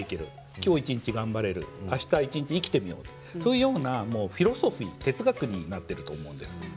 今日、一日頑張れるあした一日生きてみようそういうようなフィロソフィー哲学になっていると思うんですよね。